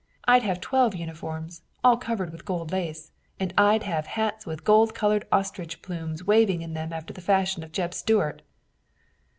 I'd have twelve uniforms all covered with gold lace, and I'd have hats with gold colored ostrich plumes waving in them after the fashion of Jeb Stuart."